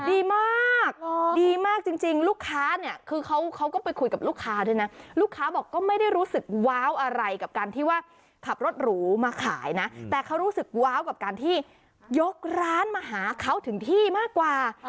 ดีมากดีมากจริงลูกค้าเนี่ยคือเขาก็ไปคุยกับลูกค้าด้วยนะลูกค้าบอกก็ไม่ได้รู้สึกว้าวอะไรกับการที่ว่าขับรถหรูมาขายนะแต่เขารู้สึกว้าวกับการที่ยกร้านมาหาเขาถึงที่มากกว่า